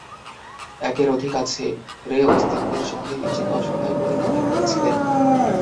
"একের অধিক আছে," রে অস্বস্তির সঙ্গে নিজেকে অসহায় বলে মনে করেছিলেন।